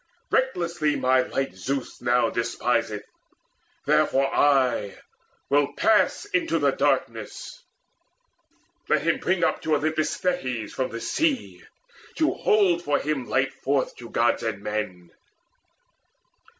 Recklessly My light Zeus now despiseth! Therefore I Will pass into the darkness. Let him bring Up to Olympus Thetis from the sea To hold for him light forth to Gods and men!